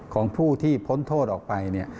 ของผู้ที่พ้นโทษออกไป